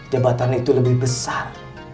jabatan itu lebih besar